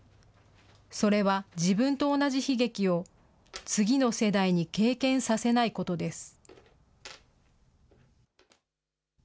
それは自分と同じ悲劇を次の世代に経験させないことです。